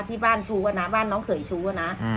ที่บ้านฉูอ่ะน้องเขยฉูอ่ะอืม